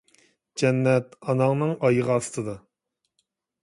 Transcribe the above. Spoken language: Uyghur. جەننەت ئاناڭنىڭ ئايىغى ئاستىدا.